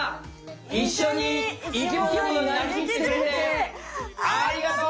いっしょに生きものになりきってくれてありがとう！